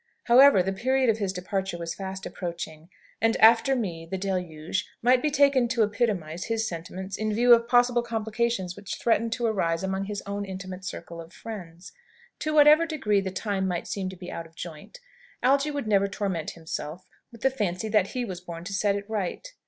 However, the period of his departure was fast approaching, and, "after me, the deluge," might be taken to epitomise his sentiments in view of possible complications which threatened to arise among his own intimate circle of friends. To whatever degree the time might seem to be out of joint, Algy would never torment himself with the fancy that he was born to set it right.